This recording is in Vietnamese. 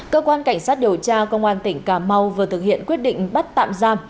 cơ quan cảnh sát điều tra công an tỉnh cà mau vừa thực hiện quyết định bắt tạm giam